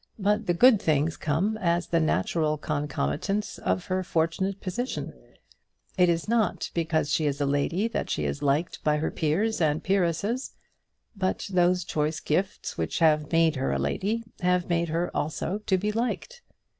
But the good things come as the natural concomitants of her fortunate position. It is not because she is a lady that she is liked by her peers and peeresses. But those choice gifts which have made her a lady have made her also to be liked.